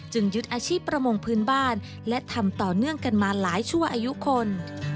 ยึดอาชีพประมงพื้นบ้านและทำต่อเนื่องกันมาหลายชั่วอายุคน